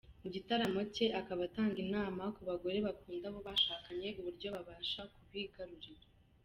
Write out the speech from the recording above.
Mu gitabo cye akaba atanga inama ku bagore bakunda abo bashakanye uburyo babasha kubigarurira.